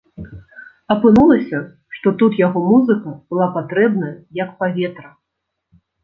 Апынулася, што тут яго музыка была патрэбная, як паветра.